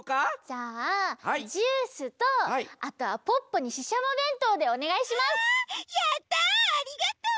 じゃあジュースとあとはポッポにししゃもべんとうでおねがいします！わあ！やったありがとう！